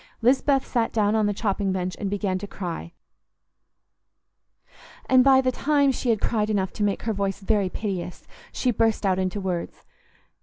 Lisbeth sat down on the chopping bench and began to cry, and by the time she had cried enough to make her voice very piteous, she burst out into words.